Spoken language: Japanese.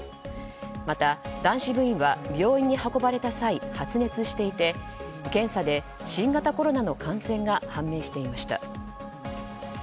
また、男子部員は病院に運ばれた際発熱していて、検査で新型コロナの感染が判明していました。